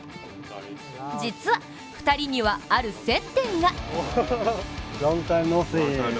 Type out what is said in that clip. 実は、２人にはある接点が。